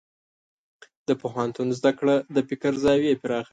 د پوهنتون زده کړه د فکر زاویې پراخوي.